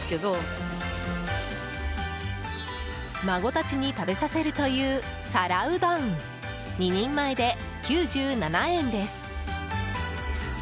孫たちに食べさせるという皿うどん、２人前で９７円です。